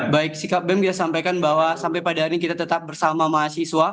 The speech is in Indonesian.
baik sikap bem kita sampaikan bahwa sampai pada hari ini kita tetap bersama mahasiswa